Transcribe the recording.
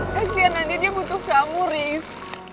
kasian andi dia butuh kamu riz